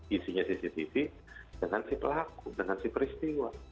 isinya cctv dengan si pelaku dengan si peristiwa